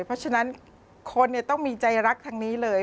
เพราะฉะนั้นคนต้องมีใจรักทางนี้เลย